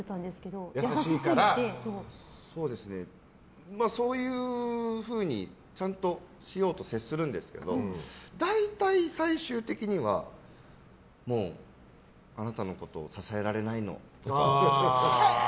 逆にそうかなとそういうふうにちゃんとしようと接するんですが大体、最終的にはもうあなたのこと支えられないのって。